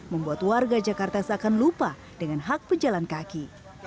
membuat warga jakarta seakan lupa dengan hak pejalan kaki